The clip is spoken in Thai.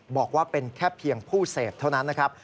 บอกว่าเป็นแค่เพียงผู้เสพเท่านั้นนะครับ